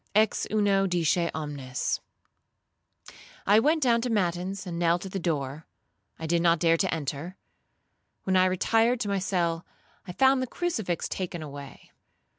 Ex uno disce omnes. I went down to matins, and knelt at the door; I did not dare to enter. When I retired to my cell, I found the crucifix taken away.